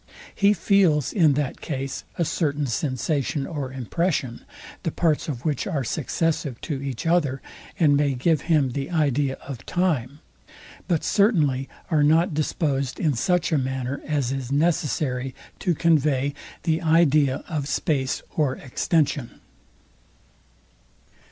He feels in that case a certain sensation or impression, the parts of which are successive to each other, and may give him the idea of time: But certainly are not disposed in such a manner, as is necessary to convey the idea of space or the idea of space or extension.